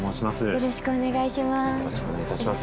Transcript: よろしくお願いします。